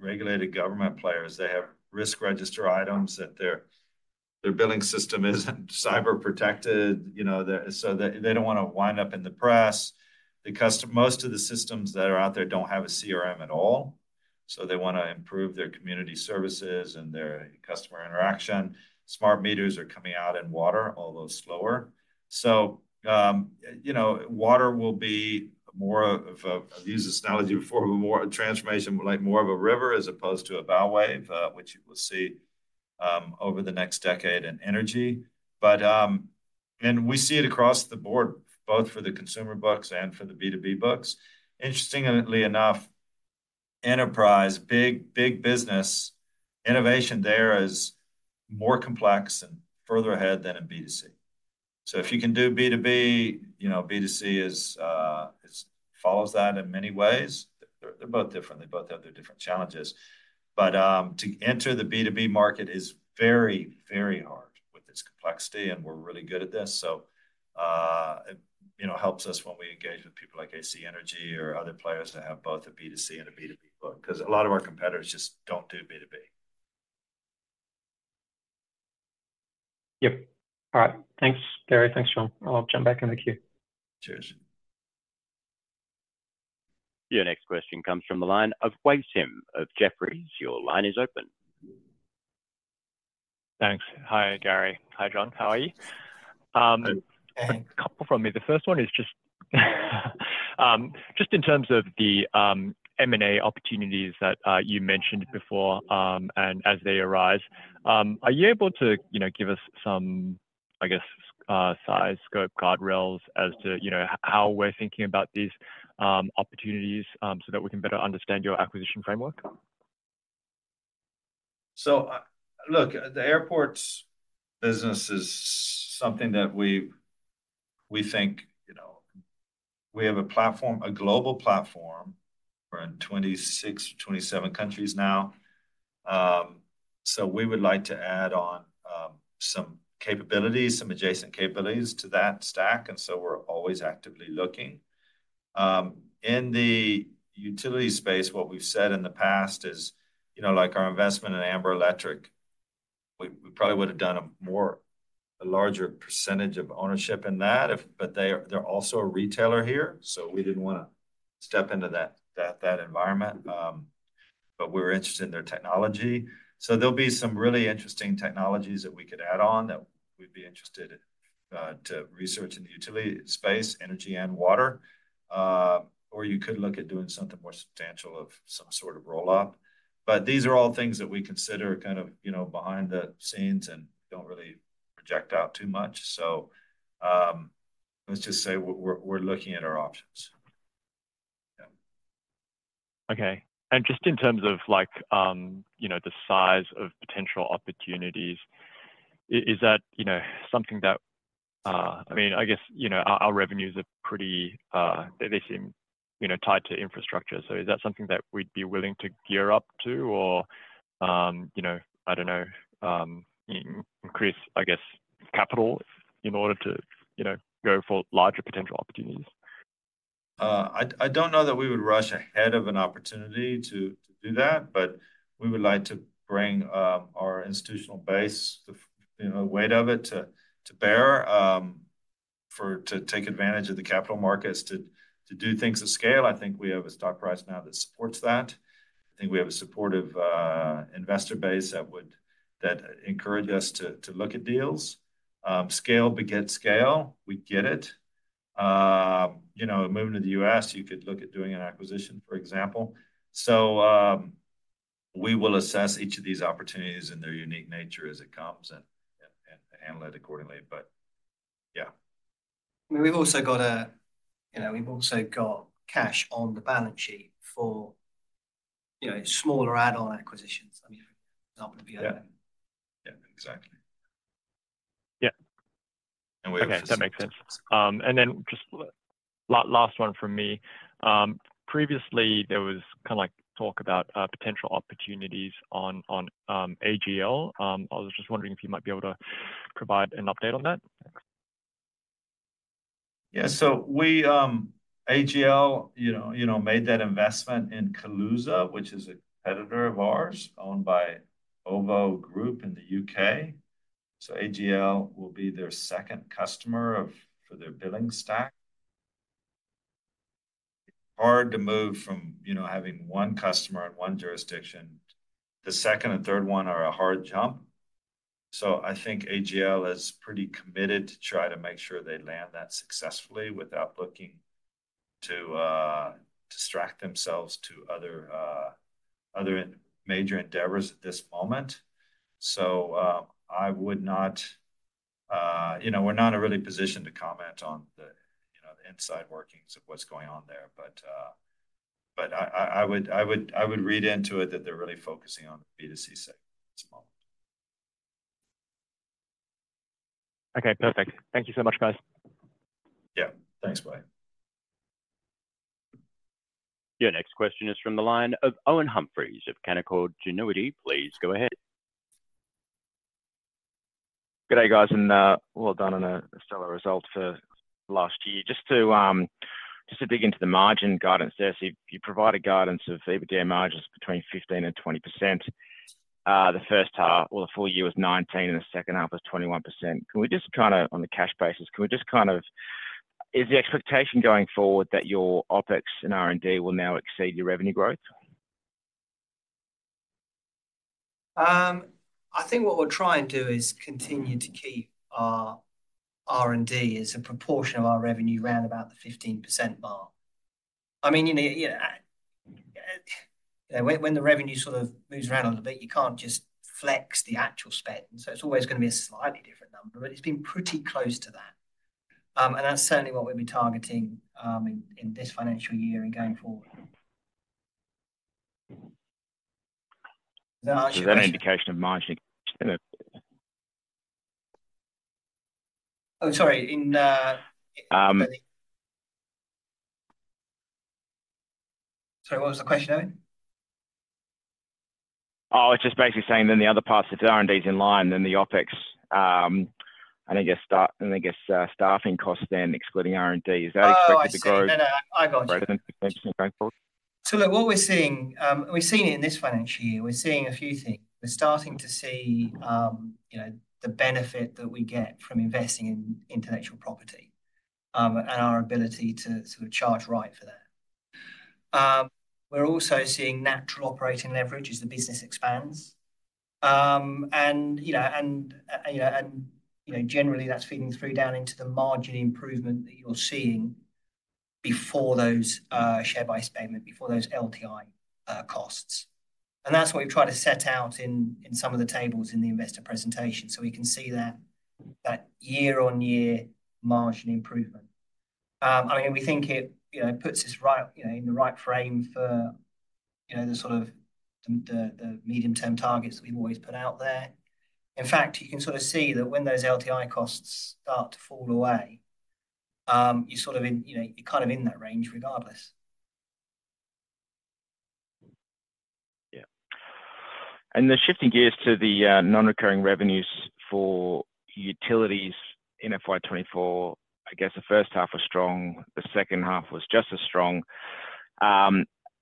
regulated government players, they have risk register items that their billing system isn't cyber protected. So they don't want to wind up in the press. Most of the systems that are out there don't have a CRM at all. So they want to improve their community services and their customer interaction. Smart meters are coming out in water, although slower. So water will be more of - I've used this analogy before - more a transformation, more of a river as opposed to a bow wave, which we'll see over the next decade in energy. But we see it across the board, both for the consumer books and for the B2B books. Interestingly enough, enterprise, big business, innovation there is more complex and further ahead than in B2C. So if you can do B2B, B2C follows that in many ways. They're both different. They both have their different challenges. But to enter the B2B market is very, very hard with its complexity, and we're really good at this. So it helps us when we engage with people like AC Energy or other players that have both a B2C and a B2B book because a lot of our competitors just don't do B2B. Yep. All right. Thanks, Gary. Thanks, John. I'll jump back in the queue. Cheers. Your next question comes from the line of Wei Sim of Jefferies. Your line is open. Thanks. Hi, Gary. Hi, John. How are you? A couple from me. The first one is just in terms of the M&A opportunities that you mentioned before and as they arise, are you able to give us some, I guess, size scope, guardrails as to how we're thinking about these opportunities so that we can better understand your acquisition framework? So look, the airports business is something that we think we have a platform, a global platform. We're in 26, 27 countries now. So we would like to add on some capabilities, some adjacent capabilities to that stack. And so we're always actively looking. In the utility space, what we've said in the past is our investment in Amber Electric. We probably would have done a larger percentage of ownership in that, but they're also a retailer here. So we didn't want to step into that environment. But we're interested in their technology. So there'll be some really interesting technologies that we could add on that we'd be interested to research in the utility space, energy and water. Or you could look at doing something more substantial of some sort of roll-up. But these are all things that we consider kind of behind the scenes and don't really project out too much. So let's just say we're looking at our options. Yeah. Okay. And just in terms of the size of potential opportunities, is that something that, I mean, I guess our revenues are pretty, they seem tied to infrastructure. So is that something that we'd be willing to gear up to or, I don't know, increase, I guess, capital in order to go for larger potential opportunities? I don't know that we would rush ahead of an opportunity to do that, but we would like to bring our institutional base, the weight of it to bear to take advantage of the capital markets to do things at scale. I think we have a stock price now that supports that. I think we have a supportive investor base that would encourage us to look at deals. Scale begets scale. We get it. Moving to the U.S., you could look at doing an acquisition, for example. So we will assess each of these opportunities in their unique nature as it comes and handle it accordingly. But yeah. I mean, we've also got cash on the balance sheet for smaller add-on acquisitions. I mean, for example. Yeah. Yeah. Exactly. Yeah. Okay. That makes sense. And then just last one from me. Previously, there was kind of talk about potential opportunities on AGL. I was just wondering if you might be able to provide an update on that. Yeah. So AGL made that investment in Kaluza, which is a competitor of ours owned by OVO Group in the UK. So AGL will be their second customer for their billing stack. Hard to move from having one customer in one jurisdiction. The second and third one are a hard jump. So I think AGL is pretty committed to try to make sure they land that successfully without looking to distract themselves to other major endeavors at this moment. So I would not. We're not in a really position to comment on the inside workings of what's going on there. But I would read into it that they're really focusing on the B2C segment at the moment. Okay. Perfect. Thank you so much, guys. Yeah. Thanks, buddy. Your next question is from the line of Owen Humphries of Canaccord Genuity. Please go ahead. Good day, guys. And well done on a stellar result for last year. Just to dig into the margin guidance there, so you provided guidance of EBITDA margins between 15%-20%. The first half or the full year was 19%, and the second half was 21%. Can we just kind of, on a cash basis, is the expectation going forward that your OpEx and R&D will now exceed your revenue growth? I think what we're trying to do is continue to keep our R&D as a proportion of our revenue around about the 15% mark. I mean, when the revenue sort of moves around a little bit, you can't just flex the actual spend. So it's always going to be a slightly different number, but it's been pretty close to that. And that's certainly what we'll be targeting in this financial year and going forward. Is that an indication of margin? Oh, sorry. Sorry, what was the question, Owen? Oh, it's just basically saying then the other parts, if the R&D is in line, then the OpEx and, I guess, staffing costs then, excluding R&D, is that expected to grow? No, no, no. I got you. So look, what we're seeing. We've seen it in this financial year. We're seeing a few things. We're starting to see the benefit that we get from investing in intellectual property and our ability to sort of charge right for that. We're also seeing natural operating leverage as the business expands. And generally, that's feeding through down into the margin improvement that you're seeing before those share-based payments, before those LTI costs. And that's what we've tried to set out in some of the tables in the investor presentation so we can see that year-on-year margin improvement. I mean, we think it puts us in the right frame for the sort of medium-term targets that we've always put out there. In fact, you can sort of see that when those LTI costs start to fall away, you're kind of in that range regardless. Yeah. And the shifting gears to the non-recurring revenues for utilities in FY 2024, I guess the first half was strong. The second half was just as strong.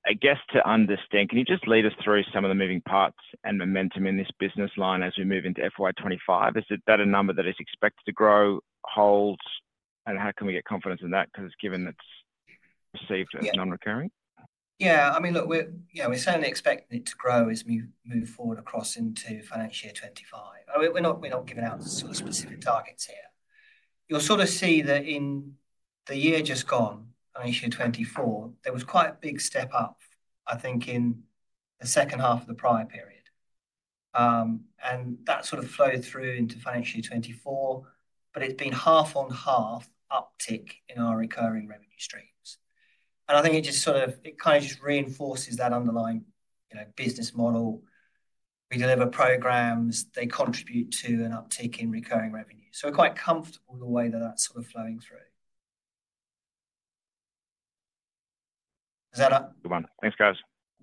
I guess to understand, can you just lead us through some of the moving parts and momentum in this business line as we move into FY 2025? Is that a number that is expected to grow, hold, and how can we get confidence in that? Because given that's received as non-recurring. Yeah. I mean, look, we're certainly expecting it to grow as we move forward across into financial year 25. We're not giving out sort of specific targets here. You'll sort of see that in the year just gone, financial year 24, there was quite a big step up, I think, in the second half of the prior period. And that sort of flowed through into financial year 24, but it's been half-on-half uptick in our recurring revenue streams. And I think it just sort of—it kind of just reinforces that underlying business model. We deliver programs. They contribute to an uptick in recurring revenue. So we're quite comfortable with the way that that's sort of flowing through. Is that a good one? Thanks, guys.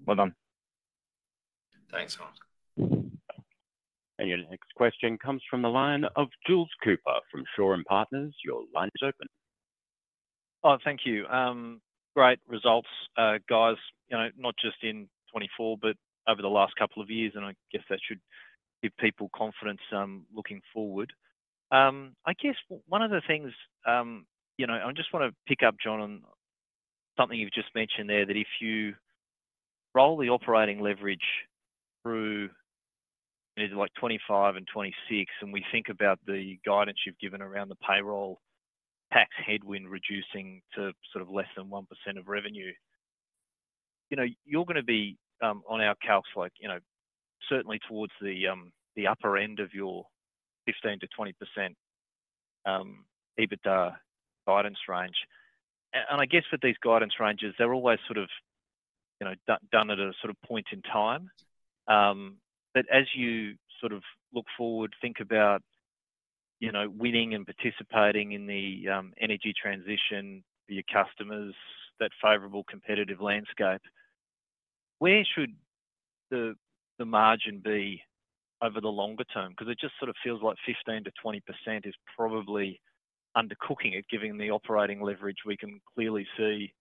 Well done. Thanks, Hans. And your next question comes from the line of Jules Cooper from Shaw and Partners. Your line is open. Oh, thank you. Great results, guys, not just in 24, but over the last couple of years. And I guess that should give people confidence looking forward. I guess one of the things I just want to pick up, John, on something you've just mentioned there, that if you roll the operating leverage through like 25 and 26, and we think about the guidance you've given around the payroll tax headwind reducing to sort of less than 1% of revenue, you're going to be on our calcs, certainly towards the upper end of your 15%-20% EBITDA guidance range. And I guess with these guidance ranges, they're always sort of done at a sort of point in time. But as you sort of look forward, think about winning and participating in the energy transition for your customers, that favorable competitive landscape, where should the margin be over the longer term? Because it just sort of feels like 15%-20% is probably undercooking it, given the operating leverage we can clearly see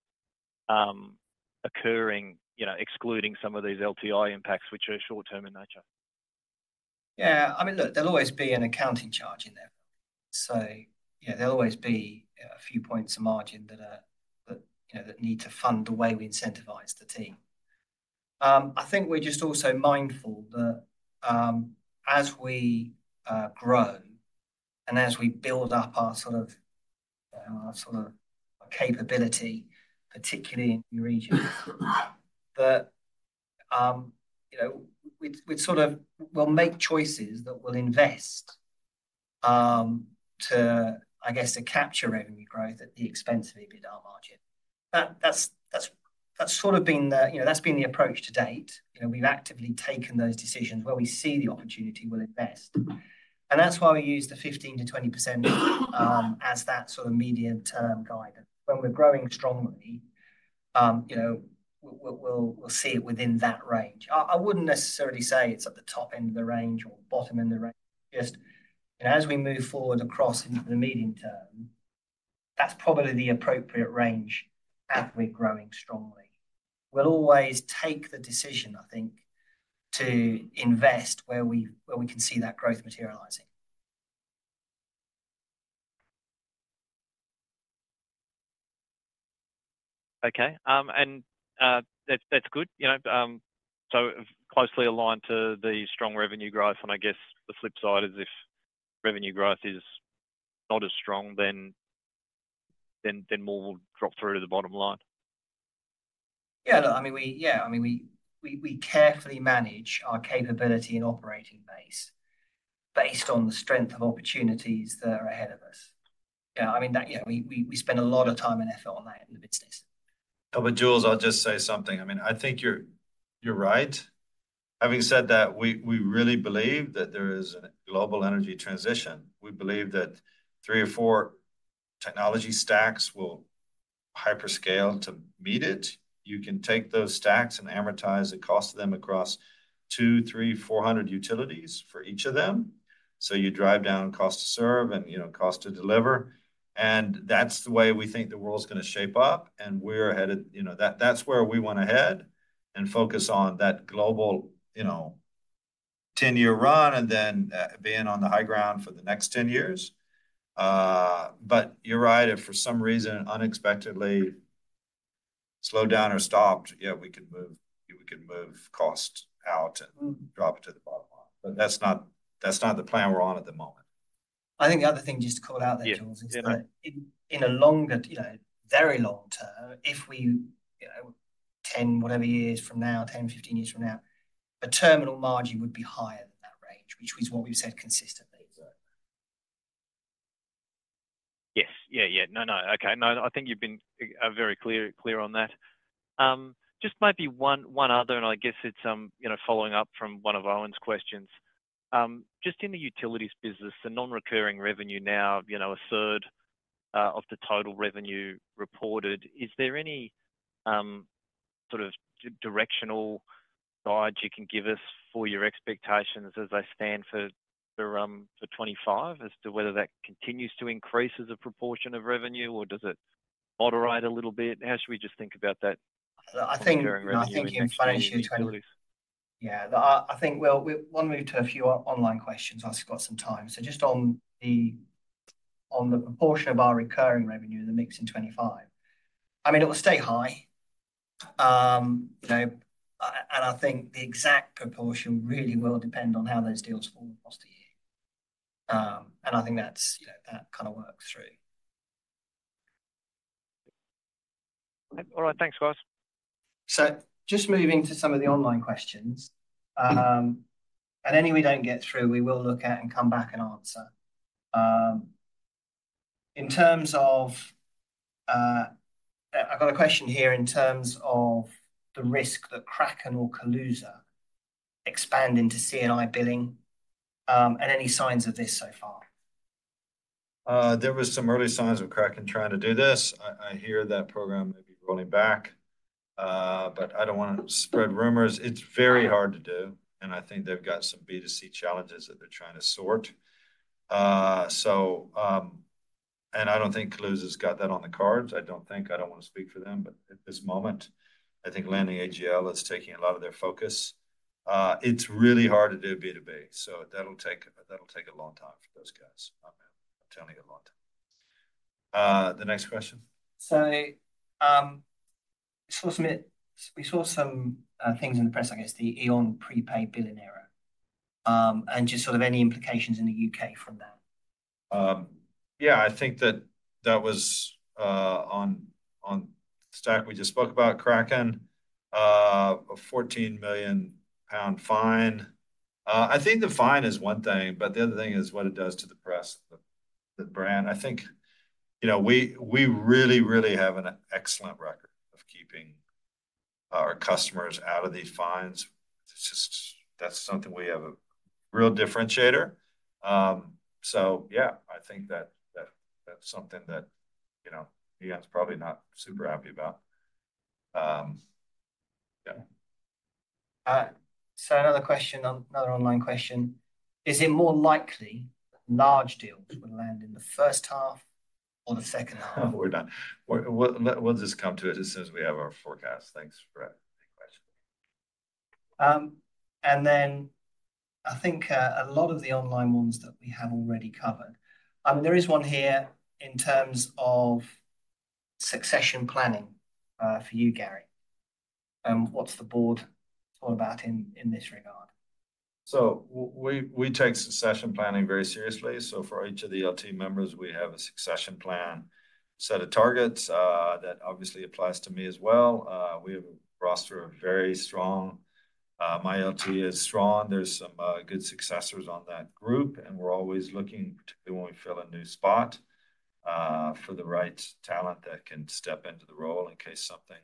occurring, excluding some of these LTI impacts, which are short-term in nature. Yeah. I mean, look, there'll always be an accounting charge in there. So there'll always be a few points of margin that need to fund the way we incentivize the team. I think we're just also mindful that as we grow and as we build up our sort of capability, particularly in the region, that we sort of will make choices that will invest, I guess, to capture revenue growth at the expense of EBITDA margin. That's sort of been the—that's been the approach to date. We've actively taken those decisions where we see the opportunity, we'll invest, and that's why we use the 15%-20% as that sort of medium-term guidance. When we're growing strongly, we'll see it within that range. I wouldn't necessarily say it's at the top end of the range or bottom end of the range. Just as we move forward across into the medium term, that's probably the appropriate range as we're growing strongly. We'll always take the decision, I think, to invest where we can see that growth materializing. Okay, and that's good, so closely aligned to the strong revenue growth, and I guess the flip side is if revenue growth is not as strong, then more will drop through to the bottom line. Yeah. I mean, yeah. I mean, we carefully manage our capability and operating base based on the strength of opportunities that are ahead of us. Yeah. I mean, yeah, we spend a lot of time and effort on that in the business, but Jules, I'll just say something. I mean, I think you're right. Having said that, we really believe that there is a global energy transition. We believe that three or four technology stacks will hyperscale to meet it. You can take those stacks and amortize the cost of them across 200, 300, 400 utilities for each of them. So you drive down cost to serve and cost to deliver. And that's the way we think the world's going to shape up. And we're ahead of—that's where we want to head and focus on that global 10-year run and then being on the high ground for the next 10 years. But you're right. If for some reason unexpectedly slowed down or stopped, yeah, we could move cost out and drop it to the bottom line. But that's not the plan we're on at the moment. I think the other thing just to call out there, Jules, is that in a longer, very long term, if we 10 whatever years from now, 10, 15 years from now, the terminal margin would be higher than that range, which was what we've said consistently. Yes. Yeah. Yeah. No, no. Okay. No, I think you've been very clear on that. Just might be one other, and I guess it's following up from one of Owen's questions. Just in the utilities business, the non-recurring revenue now a third of the total revenue reported. Is there any sort of directional guide you can give us for your expectations as it stands for 25 as to whether that continues to increase as a proportion of revenue, or does it moderate a little bit? How should we just think about that? I think in financial year 20—yeah. I think, well, we'll move to a few online questions. I've got some time. So just on the proportion of our recurring revenue in the mix in 25, I mean, it will stay high. And I think the exact proportion really will depend on how those deals fall across the year. And I think that kind of works through. All right. Thanks, guys. So just moving to some of the online questions. And any we don't get through, we will look at and come back and answer. In terms of, I've got a question here in terms of the risk that Kraken or Kaluza expand into C&I billing and any signs of this so far. There were some early signs of Kraken trying to do this. I hear that program may be rolling back, but I don't want to spread rumors. It's very hard to do. I think they've got some B2C challenges that they're trying to sort. I don't think Kaluza's got that on the cards. I don't think. I don't want to speak for them. At this moment, I think landing AGL is taking a lot of their focus. It's really hard to do B2B. That'll take a long time for those guys. I'm telling you, a long time. The next question. We saw some things in the press, I guess, the E.ON prepay billing error. Just sort of any implications in the UK from that? Yeah. I think that that was on stack. We just spoke about Kraken, a 14 million pound fine. I think the fine is one thing, but the other thing is what it does to the press, the brand. I think we really, really have an excellent record of keeping our customers out of these fines. That's something we have a real differentiator. So yeah, I think that's something that he's probably not super happy about. Yeah. So another question, another online question. Is it more likely that large deals will land in the first half or the second half? We're done. We'll just come to it as soon as we have our forecast. Thanks for that question. And then I think a lot of the online ones that we have already covered. I mean, there is one here in terms of succession planning for you, Gary. And what's the board all about in this regard? So we take succession planning very seriously. So for each of the LT members, we have a succession plan, set of targets that obviously applies to me as well. We have a roster of very strong. My LT is strong. There's some good successors on that group. And we're always looking, particularly when we fill a new spot, for the right talent that can step into the role in case something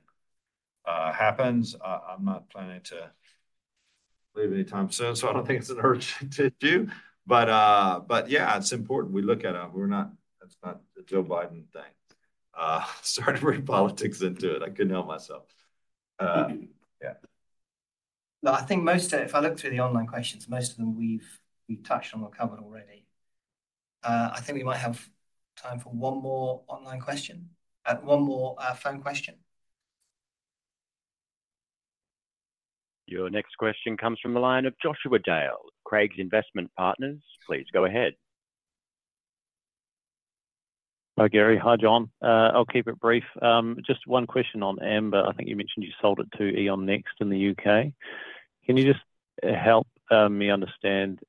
happens. I'm not planning to leave anytime soon, so I don't think it's an urgent issue. But yeah, it's important. We look at it. It's not a Joe Biden thing. Starting to bring politics into it. I couldn't help myself. Yeah. No, I think most of it, if I look through the online questions, most of them we've touched on or covered already. I think we might have time for one more online question, one more phone question. Your next question comes from the line of Joshua Dale, Craigs Investment Partners. Please go ahead. Hi, Gary. Hi, John. I'll keep it brief. Just one question on Amber. I think you mentioned you sold it to E.ON Next in the UK. Can you just help me understand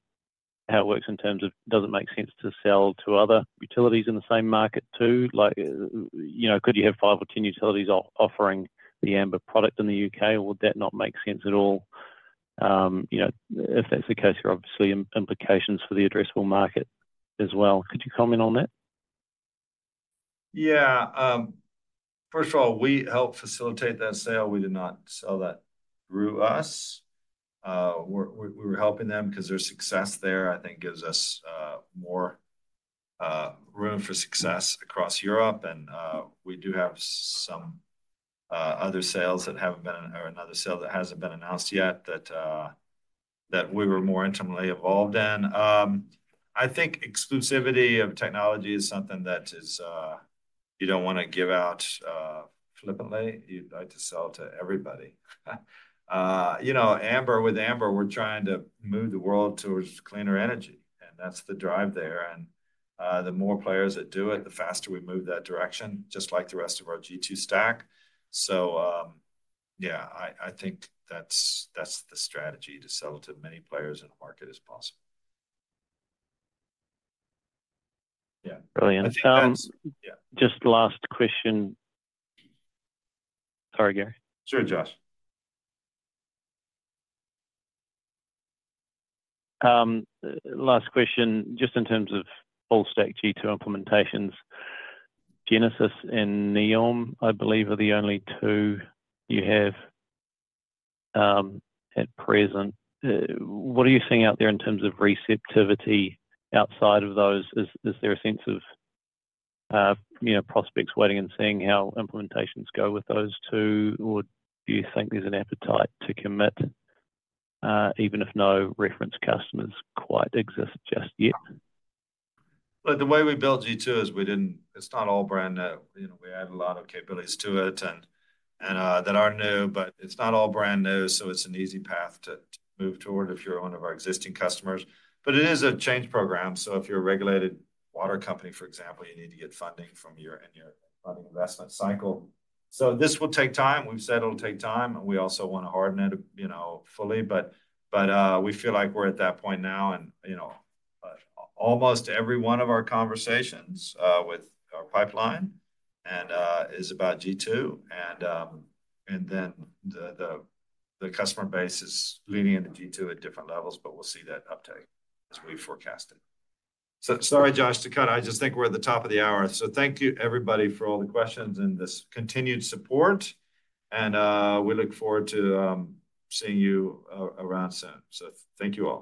how it works in terms of does it make sense to sell to other utilities in the same market too? Could you have five or 10 utilities offering the Amber product in the UK? Would that not make sense at all? If that's the case, there are obviously implications for the addressable market as well. Could you comment on that? Yeah. First of all, we helped facilitate that sale. We did not sell that through us. We were helping them because their success there, I think, gives us more room for success across Europe. And we do have some other sales that have been or another sale that hasn't been announced yet that we were more intimately involved in. I think exclusivity of technology is something that you don't want to give out flippantly. You'd like to sell to everybody. With Amber, we're trying to move the world towards cleaner energy. And that's the drive there. And the more players that do it, the faster we move that direction, just like the rest of our G2 stack. So yeah, I think that's the strategy to sell to as many players in the market as possible. Yeah. Brilliant. Just last question. Sorry, Gary. Sure, Josh. Last question. Just in terms of full-stack G2 implementations, Genesis and NEOM, I believe, are the only two you have at present. What are you seeing out there in terms of receptivity outside of those? Is there a sense of prospects waiting and seeing how implementations go with those two? Or do you think there's an appetite to commit, even if no reference customers quite exist just yet? The way we build G2 is it's not all brand new. We add a lot of capabilities to it that are new. But it's not all brand new. So it's an easy path to move toward if you're one of our existing customers. But it is a change program. So if you're a regulated water company, for example, you need to get funding from your funding investment cycle. So this will take time. We've said it'll take time. And we also want to harden it fully. But we feel like we're at that point now. And almost every one of our conversations with our pipeline is about G2. And then the customer base is leaning into G2 at different levels. But we'll see that uptake as we forecast it. Sorry, Josh, to cut out. I just think we're at the top of the hour. So thank you, everybody, for all the questions and this continued support. And we look forward to seeing you around soon. So thank you all.